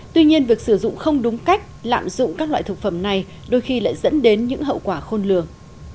tuy nhiên việc sử dụng không đúng cách lạm dụng các loại thực phẩm này đôi khi lại dẫn đến những hậu quả khôn lường